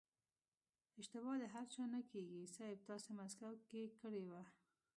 اشتبا د هر چا نه کېږي صيب تاسې مسکو کې کړې وه.